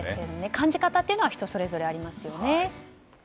感じ方というのは人それぞれありますよね。